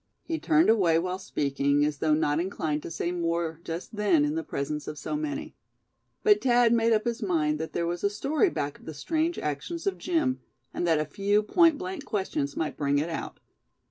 He turned away while speaking, as though not inclined to say more just then in the presence of so many; but Thad made up his mind there was a story back of the strange actions of Jim; and that a few point blank questions might bring it out.